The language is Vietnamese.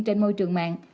trên môi trường mạng